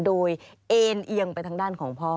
โดยเอ็นเอียงไปทางด้านของพ่อ